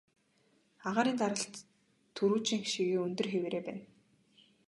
Агаарын даралт түрүүчийнх шигээ өндөр хэвээрээ байна.